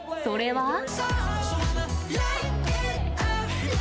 それは。